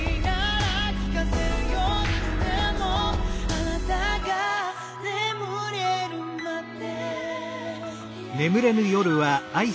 「あなたが眠れるまで」